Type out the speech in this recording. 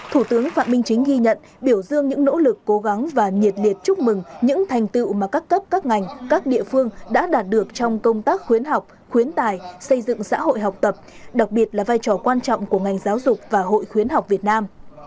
thủ tướng phạm minh chính ghi nhận biểu dương những nỗ lực cố gắng và nhiệt liệt chúc mừng những thành tựu mà các cấp các ngành các địa phương đã đạt được trong công tác khuyến học khuyến tài xây dựng xã hội học tập đặc biệt là vai trò quan trọng của ngành giáo dục và hội khuyến học việt nam